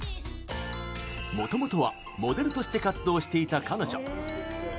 もともとはモデルとして活動していた彼女。